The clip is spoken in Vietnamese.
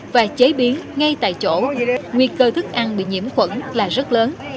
và chế biến ngay tại chỗ nguy cơ thức ăn bị nhiễm khuẩn là rất lớn